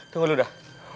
tunggu dulu dah